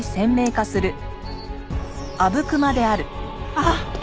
あっ！